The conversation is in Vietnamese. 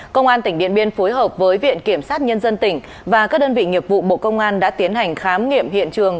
công an tỉnh điện biên phối hợp với viện kiểm sát nhân dân tỉnh và các đơn vị nghiệp vụ bộ công an đã tiến hành khám nghiệm hiện trường